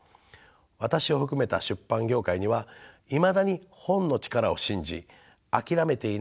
私を含めた出版業界にはいまだに本の力を信じ諦めていない人がたくさんいます。